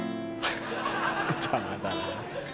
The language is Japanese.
邪魔だね。